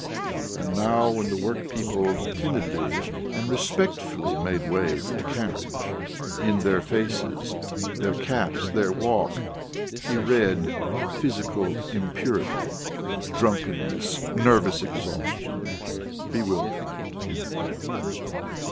And now when the workpeople timidly and respectfully made way for the carriage, in their faces, their caps, their walk, he read physical impurity, drunkenness, nervous exhaustion, bewilderment.